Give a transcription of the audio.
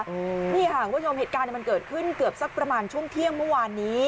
นี่ค่ะคุณผู้ชมเหตุการณ์มันเกิดขึ้นเกือบสักประมาณช่วงเที่ยงเมื่อวานนี้